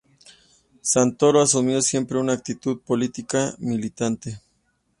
Santoro asumió siempre una actitud política militante.